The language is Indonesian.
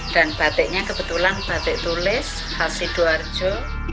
dan batiknya kebetulan batik tulis khas sidoarjo